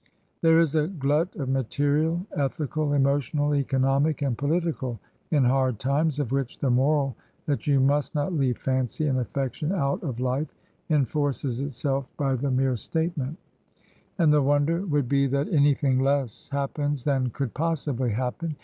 There is a glut of material, ethical, emotional, economic, and pohtical, in " Hard Times," of which the moral that you must not leave fancy and affection out of life enforces itself by the mere statement; and the wonder would be that anything less happens than cotild possibly happen.